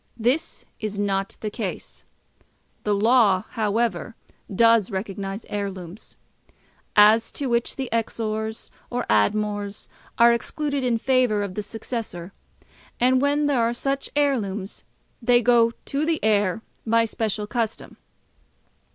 This is not the case. The law, however, does recognise heirlooms; as to which the Exors. or Admors. are excluded in favour of the Successor; and when there are such heirlooms they go to the heir by special custom.